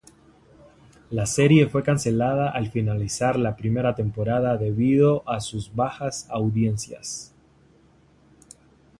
La serie fue cancelada al finalizar la primera temporada debido a sus bajas audiencias.